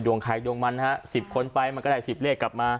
ใครดวงมันฮะ๑๐คนไปมันก็ได้๑๐เลขกลับมา